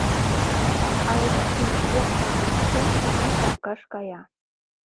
Айрушкина, йыр савырналтен, изи капкаш кая.